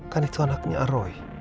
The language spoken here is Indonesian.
kan itu anaknya roy